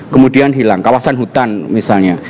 kemudian hilang kawasan hutan misalnya